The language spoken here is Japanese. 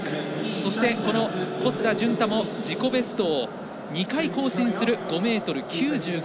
そして、小須田潤太も自己ベストを２回更新する５ｍ９５。